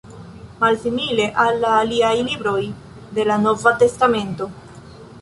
Malsimile al la aliaj libroj de la Nova testamento.